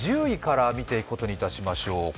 １０位から見ていくことにいたしましょう。